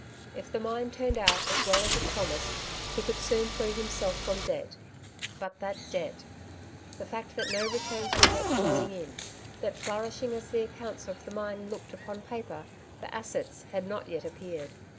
If the mine turned out as well as it promised he could soon free himself from debt ! But that debt ! The fact that no returns were yet flowing in — that flourishing as the accounts of the mine looked upon paper, the assets had not yet appeared.